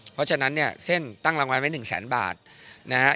เพราะฉะนั้นเนี่ยเส้นตั้งรางวัลไว้๑แสนบาทนะฮะ